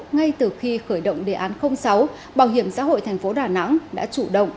ngay từ khi khởi động đề án sáu bảo hiểm xã hội tp đà nẵng đã chủ động